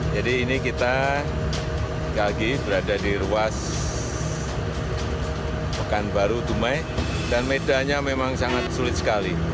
jadi ini kita berada di ruas mekan baru dumai dan medanya memang sangat sulit sekali